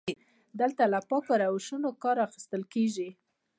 دلته له پاکو روشونو کار اخیستل کیږي.